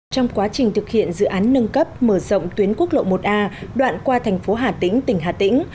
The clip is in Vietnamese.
trong quá trình thực hiện dự án nâng cấp mở rộng tuyến quốc lộ một a đoạn qua thành phố hà tĩnh tỉnh hà tĩnh